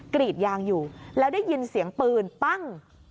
กรีดยางอยู่แล้วได้ยินเสียงปืนปั้ง